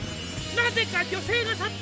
「なぜか」